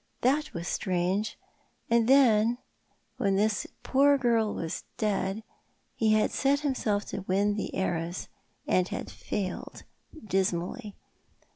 That was strange. And then, when this poor girl was dead, he had set himself to win the heiress — and had failed dismally.